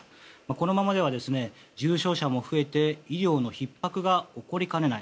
このままでは重症者も増えて医療のひっ迫が起こりかねない。